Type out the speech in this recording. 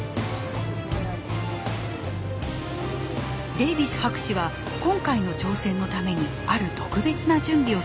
デイビス博士は今回の挑戦のためにある特別な準備を進めてきました。